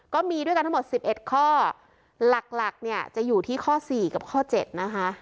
ก็มีด้วยกันทั้งหมด๑๑ข้อหลักหลักเนี่ยจะอยู่ที่ข้อสี่กับข้อ๗นะคะ